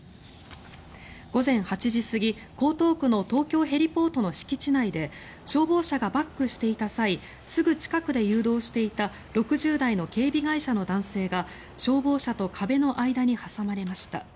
午前８時過ぎ、江東区の東京ヘリポートの敷地内で消防車がバックしていた際すぐ近くで誘導していた６０代の警備会社の男性が消防車と壁の間に挟まれました。